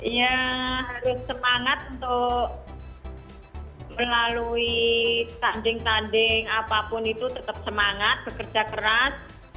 ya harus semangat untuk melalui tanding tanding apapun itu tetap semangat bekerja keras